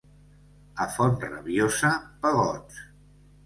A Font-rabiosa, pegots.